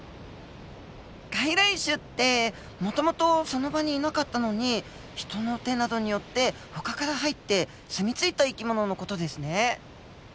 外来種ってもともとその場にいなかったのに人の手などによってほかから入って住み着いた生き物の事ですね。